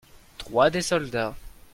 Trois des soldats.